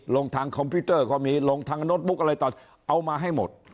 ลงทางคอมพิวเตอร์ก็มีลงทางโน้ตบุ๊กอะไรต่อเอามาให้หมด